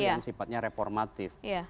yang sifatnya reformatif